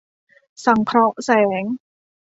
สังเคราะห์แสง